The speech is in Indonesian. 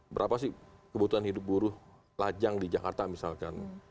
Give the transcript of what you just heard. berapa sih kebutuhan hidup buruh lajang di jakarta misalkan